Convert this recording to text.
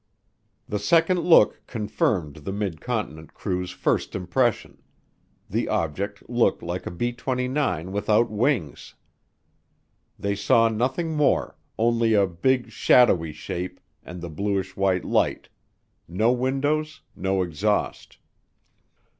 The second look confirmed the Mid Continent crew's first impression the object looked like a B 29 without wings. They saw nothing more, only a big "shadowy shape" and the bluish white light no windows, no exhaust.